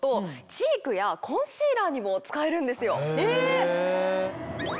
チークやコンシーラーにも使えるんですよ。